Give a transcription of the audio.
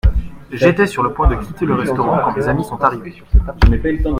J’étais sur le point de quitter le restaurant quand mes amis sont arrivés.